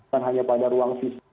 bukan hanya pada ruang fisik